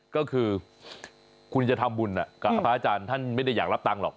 ก็คือคุณจะทำบุญกับพระอาจารย์ท่านไม่ได้อยากรับตังค์หรอก